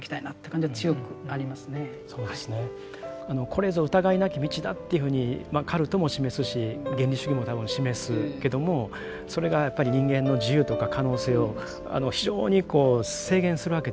これぞ疑いなき道だというふうにカルトも示すし原理主義も多分示すけどもそれがやっぱり人間の自由とか可能性を非常にこう制限するわけですよね。